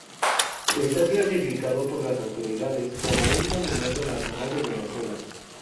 Esta clasificado por las autoridades como un Monumento Nacional de Venezuela.